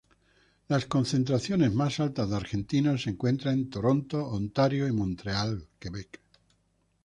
Las concentraciones más altas de argentinos se encuentran en Toronto, Ontario, y Montreal, Quebec.